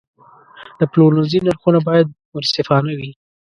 د پلورنځي نرخونه باید منصفانه وي.